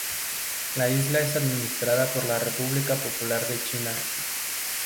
La isla es administrada por la República Popular de China.